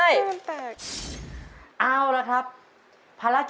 อีสี่ใบทุกนัก